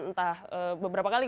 entah beberapa kali